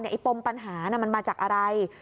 ไอ้ปมปัญหามันมาจากอะไร